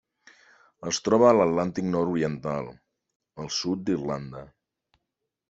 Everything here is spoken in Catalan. Es troba a l'Atlàntic nord-oriental: el sud d'Irlanda.